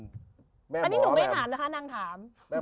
เดี๋ยวเค้าถามเค้าเอง